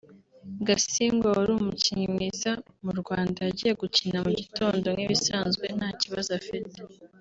Gasigwa wari umukinnyi mwiza mu Rwanda yagiye gukina mu gitondo nk’ibisanzwe nta kibazo afite